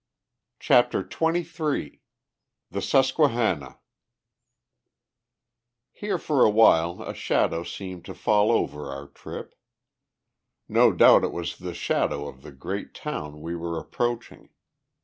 CHAPTER XXIII THE SUSQUEHANNA Here for a while a shadow seemed to fall over our trip. No doubt it was the shadow of the great town we were approaching.